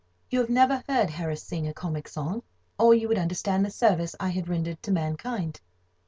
You have never heard Harris sing a comic song, or you would understand the service I had rendered to mankind.